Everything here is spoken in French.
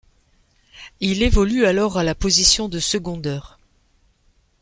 Il évolue alors à la position de secondeur.